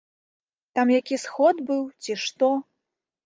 Там які сход быў, ці што?